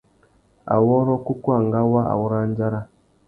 Awôrrô kúkúangâ wa awôrandzara.